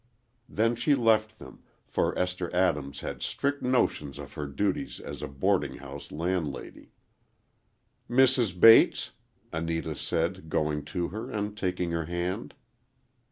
Then she left them, for Esther Adams had strict notions of her duties as a boarding house landlady. "Mrs. Bates?" Anita said, going to her and taking her hand.